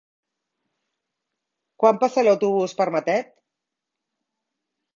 Quan passa l'autobús per Matet?